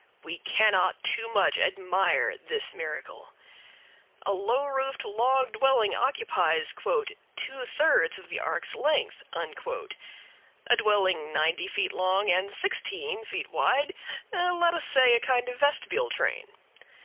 We cannot too much admire this miracle. A low roofed log dwelling occupies "two thirds of the ark's length" a dwelling ninety feet long and sixteen feet wide, let us say a kind of vestibule train.